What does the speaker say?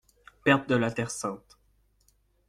- Perte de la terre sainte.